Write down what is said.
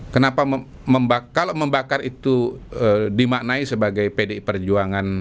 kenapa kalau membakar itu dimaknai sebagai pdi perjuangan